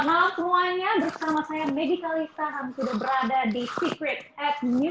semuanya bersama saya medicalisaham sudah berada di secret at new